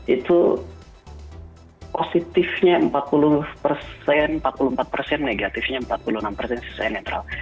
itu positifnya empat puluh persen empat puluh empat persen negatifnya empat puluh enam persen sesuai netral